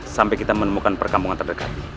sampai kita menemukan perkampungan terdekat